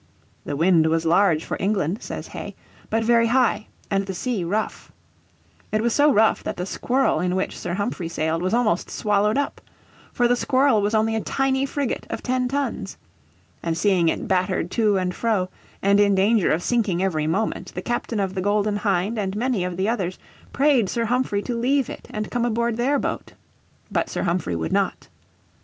"The wind was large for England," says Hay, "but very high, and the sea, rough." It was so rough that the Squirrel in which Sir Humphrey sailed was almost swallowed up. For the Squirrel was only a tiny frigate of ten tons. And seeing it battered to and fro, and in danger of sinking every moment, the captain of the Golden Hind and many others prayed Sir Humphrey to leave it and come aboard their boat. But Sir Humphrey would not.